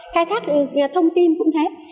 khai thác thông tin cũng thế